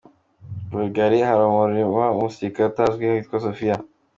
Bulgarie : Hari Urumuri rw’Umusirikare Utazwi ahitwa Sofia Sofia.